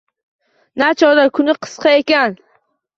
Nachora, kuni qisqa ekan